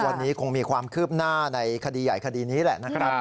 วันนี้คงมีความคืบหน้าในคดีใหญ่คดีนี้แหละนะครับ